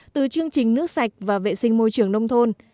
từ chương trình nước sạch và vệ sinh môi trường nông thôn